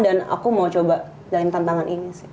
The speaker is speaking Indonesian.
dan aku mau coba jalanin tantangan ini sih